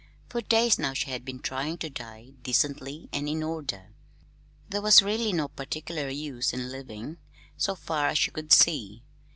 For days now she had been trying to die, decently and in order. There was really no particular use in living, so far as she could see.